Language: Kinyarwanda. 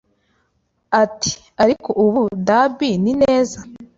Ati "Ariko 'Abu Dhabi' ni neza.